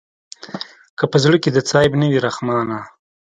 که په زړه کښې دې څه عيب نه وي رحمانه.